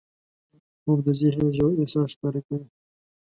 خوب د ذهن ژور احساس ښکاره کوي